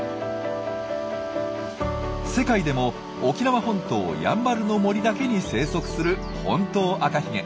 世界でも沖縄本島やんばるの森だけに生息するホントウアカヒゲ。